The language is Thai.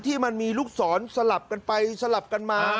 ที่มันมีลูกศรสลับกันไปสลับกันมา